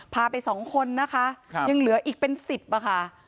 พาไป๒คนนะคะยังเหลืออีกเป็น๑๐ค่ะ